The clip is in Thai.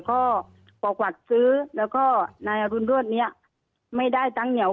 ก็บอกหวักซื้อแล้วก็ในอรุณโรธเนี้ยไม่ได้ตังค์เหนียว